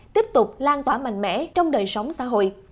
tiếp tục lan tỏa mạnh mẽ trong đời sống xã hội